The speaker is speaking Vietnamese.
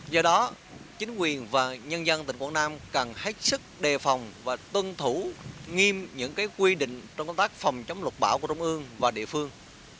do đó chính quyền và nhân dân tỉnh quảng nam cần hết sức đề phòng và tuân thủ nghiêm những quy định trong công tác phòng chống lục bão của trung ương và địa phương